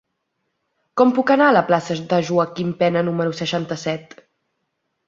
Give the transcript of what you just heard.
Com puc anar a la plaça de Joaquim Pena número seixanta-set?